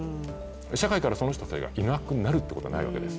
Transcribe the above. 社会からその人がいなくなるということはないわけです。